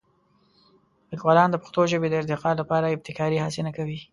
لیکوالان د پښتو ژبې د ارتقا لپاره ابتکاري هڅې نه کوي.